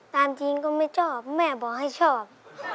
ตามจริงก็ไม่ชอบแม่บอกให้ชอบ